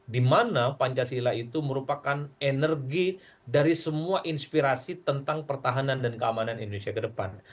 dimana pancasila itu merupakan energi dari semua inspirasi tentang pertahanan dan keamanan indonesia ke depan